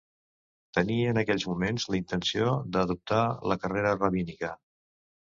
Tenia en aquells moments la intenció d'adoptar la carrera rabínica.